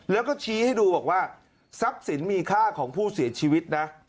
แล้วก็ชี้ให้ดูบอกว่าทรัพย์สินมีค่าของผู้เสียชีวิตนะ